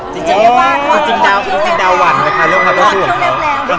จริงดาววันนะคะเรื่องความสู้สู้ของเขา